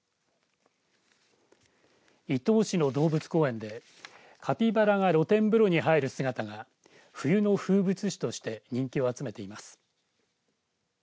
伊東市の動物公園でカピバラが露天風呂に入る姿が冬の風物詩として人気を集めています。